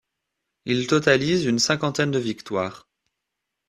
Il totalise une cinquantaine de victoires.